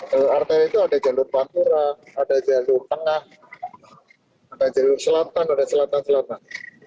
jalur arteri itu ada jalur pantura ada jalur tengah ada jalur selatan ada selatan selatan